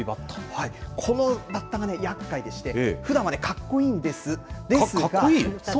このバッタがね、やっかいでして、ふだんはかっこいいんです。